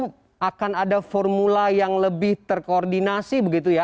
tentu akan ada formula yang lebih terkoordinasi begitu ya